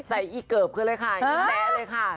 ใส่อีเกิบเลยค่ะ